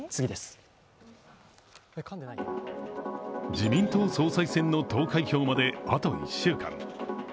自民党総裁選の投開票まであと１週間。